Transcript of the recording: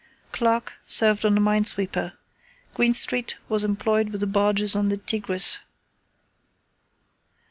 Clark served on a mine sweeper. Greenstreet was employed with the barges on the Tigris.